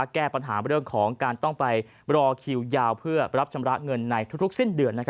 แก้ปัญหาเรื่องของการต้องไปรอคิวยาวเพื่อรับชำระเงินในทุกสิ้นเดือน